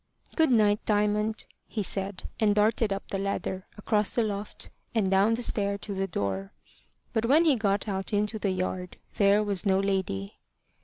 "Good night, Diamond," he said, and darted up the ladder, across the loft, and down the stair to the door. But when he got out into the yard, there was no lady.